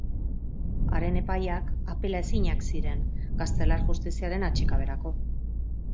Haren epaiak apelaezinak ziren, gaztelar justiziaren atsekaberako.